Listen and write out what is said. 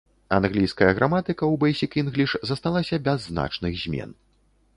Англійская граматыка ў бэйсік-інгліш засталася без значных змен.